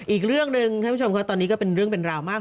อีกเรื่องหนึ่งท่านผู้ชมครับตอนนี้ก็เป็นเรื่องเป็นราวมาก